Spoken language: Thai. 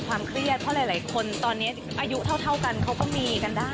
ด้วยความเครียดด้วยหลายอย่างทำให้มันเหมือนแบบ